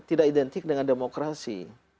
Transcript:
tidak identik dengan demokrasi